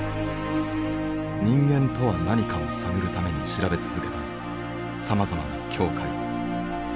人間とは何かを探るために調べ続けたさまざまな境界。